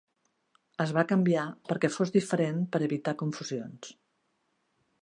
Es va canviar perquè fos diferent per evitar confusions.